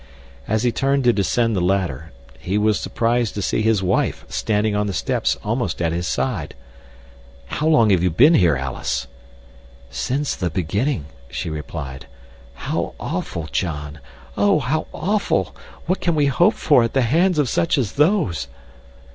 As he turned to descend the ladder he was surprised to see his wife standing on the steps almost at his side. "How long have you been here, Alice?" "Since the beginning," she replied. "How awful, John. Oh, how awful! What can we hope for at the hands of such as those?"